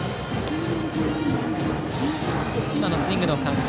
今のスイングの感じ